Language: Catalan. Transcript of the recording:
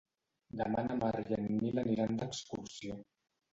Demà na Mar i en Nil aniran d'excursió.